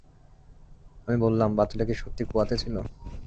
আমি বললাম, বাচ্চাটা কি সত্যি কুয়াতে ছিল?